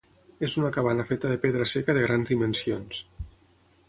És una cabana feta de pedra seca de grans dimensions.